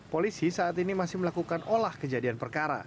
polisi saat ini masih melakukan olah kejadian perkara